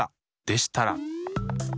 でしたら！